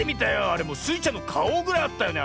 あれもうスイちゃんのかおぐらいあったよね